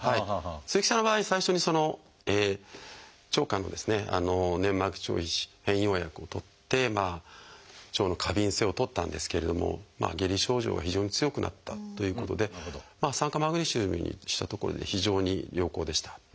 鈴木さんの場合最初に腸管の粘膜上皮機能変容薬をとって腸の過敏性を取ったんですけれども下痢症状が非常に強くなったということで酸化マグネシウムにしたところ非常に良好でした。